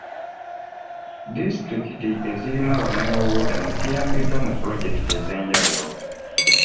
Disitulikiti ezirimu abanoonyiboobubudamu ziyambiddwa mu pulojekiti ez'enjawulo.